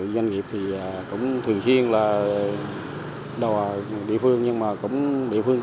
đến thời điểm này